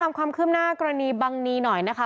ความคืบหน้ากรณีบังนีหน่อยนะคะ